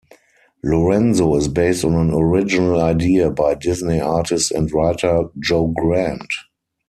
"Lorenzo" is based on an original idea by Disney artist and writer, Joe Grant.